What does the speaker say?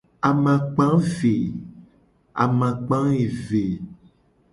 Amakpa eve.